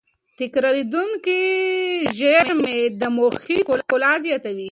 تکرارېدونکې زېرمې د محیط ښکلا زیاتوي.